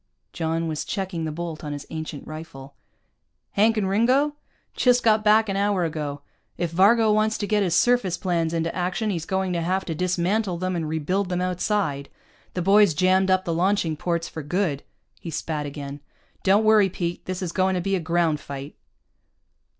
John was checking the bolt on his ancient rifle. "Hank and Ringo? Just got back an hour ago. If Varga wants to get his surface planes into action, he's going to have to dismantle them and rebuild them outside. The boys jammed up the launching ports for good." He spat again. "Don't worry, Pete. This is going to be a ground fight."